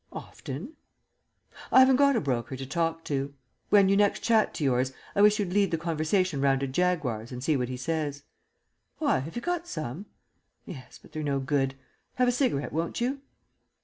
"Often." "I haven't got a broker to talk to. When you next chat to yours, I wish you'd lead the conversation round to Jaguars and see what he says." "Why, have you got some?" "Yes, but they're no good. Have a cigarette, won't you?"